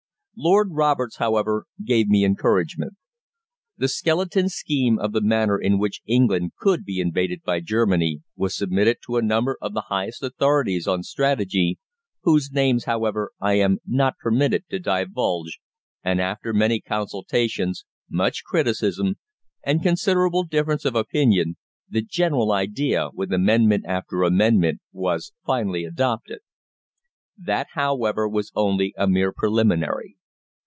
Lord Roberts, however, gave me encouragement. The skeleton scheme of the manner in which England could be invaded by Germany was submitted to a number of the highest authorities on strategy, whose names, however, I am not permitted to divulge, and after many consultations, much criticism, and considerable difference of opinion, the "general idea," with amendment after amendment, was finally adopted. That, however, was only a mere preliminary.